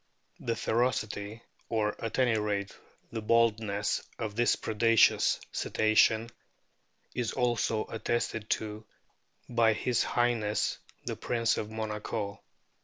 The ferocity, or at any rate the boldness, of this predaceous Cetacean is also attested to by his High ness the Prince of Monaco.